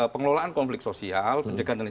pemerintah tata tata